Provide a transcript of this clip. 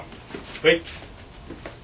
はい。